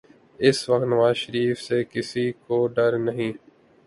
اس وقت نواز شریف سے کسی کو ڈر نہیں۔